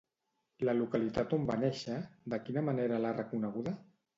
La localitat on va néixer, de quina manera l'ha reconeguda?